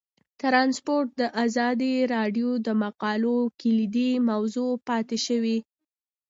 ترانسپورټ د ازادي راډیو د مقالو کلیدي موضوع پاتې شوی.